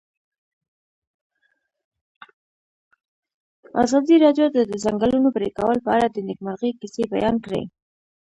ازادي راډیو د د ځنګلونو پرېکول په اړه د نېکمرغۍ کیسې بیان کړې.